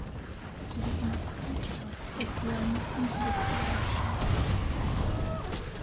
To the east and south it blends into the Pierre Shale.